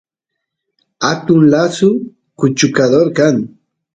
atun lasu kuchukador kan